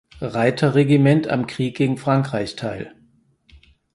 Reiterregiment am Krieg gegen Frankreich teil.